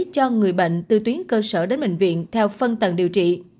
cho người bệnh từ tuyến cơ sở đến bệnh viện theo phân tầng điều trị